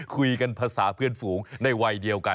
คุยกันภาษาเพื่อนฝูงในวัยเดียวกัน